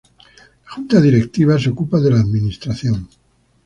La Junta Directiva se ocupa de la administración.